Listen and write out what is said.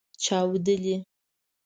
چاودیدلې